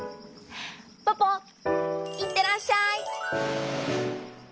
ポポいってらっしゃい！